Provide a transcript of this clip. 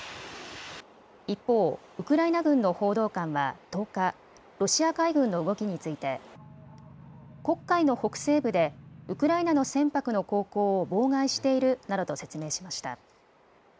一方、ウクライナ軍の報道官は１０日、ロシア海軍の動きについて、黒海の北西部でウクライナの船舶の航行を妨害しているなどと説明しました。